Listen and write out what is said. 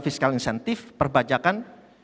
fiskal insentif perbajakan